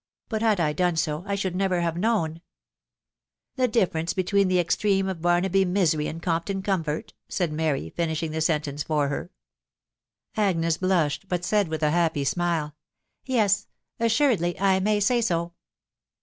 ... But had I done so,. I should bare never known,* .•."" The diffamte between the extreme of Barnaby misery and Compfcm comfort?" said Mary, finishing the sentence for her. Agnes blushed, but said with a happy smile, " Tes assuredly I may say so."